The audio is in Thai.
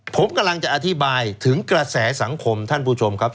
ผมกำลังจะอธิบายถึงกระแสสังคมท่านผู้ชมครับ